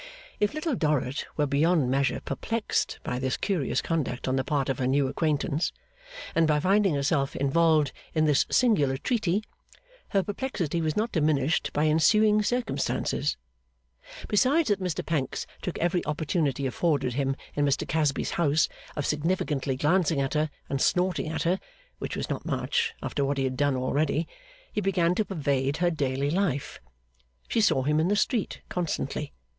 If Little Dorrit were beyond measure perplexed by this curious conduct on the part of her new acquaintance, and by finding herself involved in this singular treaty, her perplexity was not diminished by ensuing circumstances. Besides that Mr Pancks took every opportunity afforded him in Mr Casby's house of significantly glancing at her and snorting at her which was not much, after what he had done already he began to pervade her daily life. She saw him in the street, constantly.